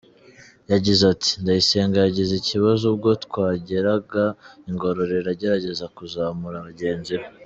Yagize ati “Ndayisenga yagize ikibazo ubwo twageraga i Ngororero agerageza kuzamura bagenzi be.